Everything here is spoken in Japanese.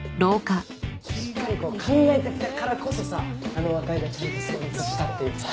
しっかりこう考えてきたからこそさあの和解がちゃんと成立したっていうかさ。